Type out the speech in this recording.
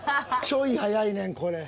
ちょい早いねんこれ。